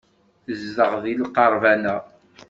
Tezdeɣ deg lqerban-a.